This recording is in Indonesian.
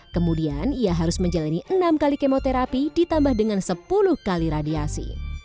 kemudian ia harus menjalani enam kali kemoterapi ditambah dengan sepuluh kali radiasi